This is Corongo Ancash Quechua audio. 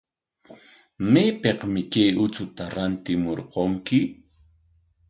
¿Maypikmi kay uchuta rantimurqunki?